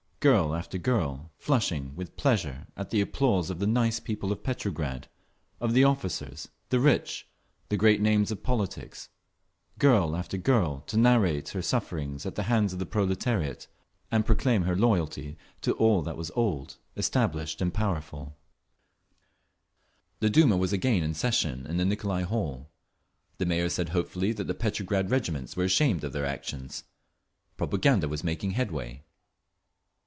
Girl after girl, flushing with pleasure at the applause of the "nice" people of Petrograd, of the officers, the rich, the great names of politics—girl after girl, to narrate her sufferings at the hands of the proletariat, and proclaim her loyalty to all that was old, established and powerful…. The Duma was again in session in the Nicolai Hall. The Mayor said hopefully that the Petrograd regiments were ashamed of their actions; propaganda was making headway.